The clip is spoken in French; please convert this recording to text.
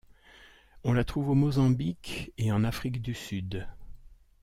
On la trouve au Mozambique et en Afrique du Sud.